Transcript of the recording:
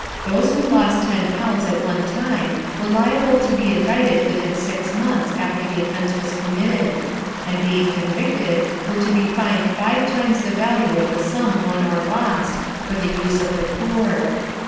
Those who lost ten pounds at one time were liable to be indicted within six months after the offence was committed ; and being convicted, were to be fined five times the value of the sum won or lost, for the use of the poor.